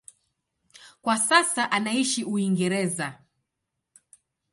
Kwa sasa anaishi Uingereza.